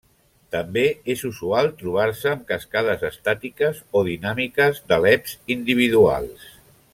També és usual trobar-se amb cascades estàtiques o dinàmiques d'àleps individuals.